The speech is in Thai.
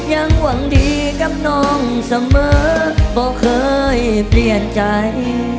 ยังหวังดีกับน้องเสมอบอกเคยเปลี่ยนใจ